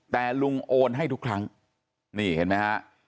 แต่ลุงโอนให้ทุกครั้งนี่เห็นไหมฮะ